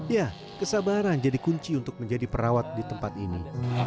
ya kesabaran jadi kunci untuk menjadi perawat di tempat ini